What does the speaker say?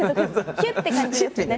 「ヒュッ！」って感じですね。